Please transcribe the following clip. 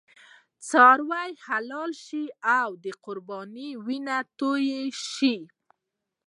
څاروي حلال شول او د قربانۍ وینه توی شوه.